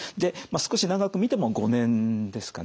少し長く見ても５年ですかね。